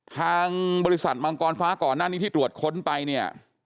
ทางบริษัทมังกรฟ้าก่อนหน้านี้ที่ตรวจค้นไปเนี่ย